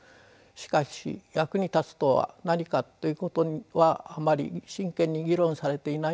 しかし「役に立つとは何か」ということはあまり真剣に議論されていないように思うのです。